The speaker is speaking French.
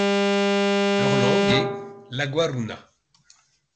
Leur langue est l'aguaruna.